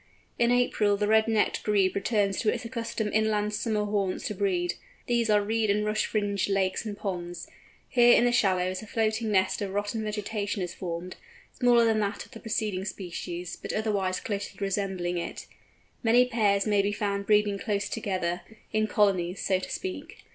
In April the Red necked Grebe returns to its accustomed inland summer haunts to breed. These are reed and rush fringed lakes and ponds. Here in the shallows a floating nest of rotten vegetation is formed, smaller than that of the preceding species, but otherwise closely resembling it. Many pairs may be found breeding close together—in colonies, so to speak.